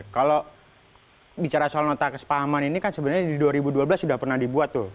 kalau bicara soal nota kesepahaman ini kan sebenarnya di dua ribu dua belas sudah pernah dibuat tuh